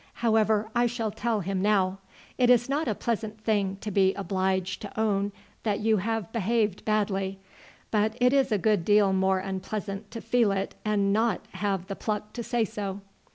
However, I shall tell him now. It is not a pleasant thing to be obliged to own that you have behaved badly, but it is a good deal more unpleasant to feel it and not have the pluck to say so."